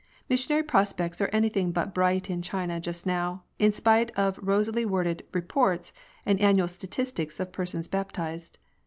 Missionary prospects are anything but bright in China just now, in spite of rosily worded " reports," and annual statistics of persons baptized.